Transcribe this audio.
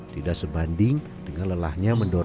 tidak sebanding dengan lelahnya mendorong